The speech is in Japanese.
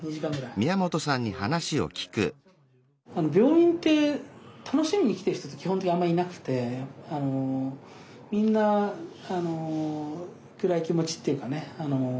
病院って楽しみに来てる人って基本的あんまりいなくてみんな暗い気持ちっていうかね